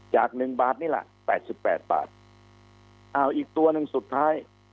จากหนึ่งบาทนี่แหละแปดสิบแปดบาทเอาอีกตัวหนึ่งสุดท้าย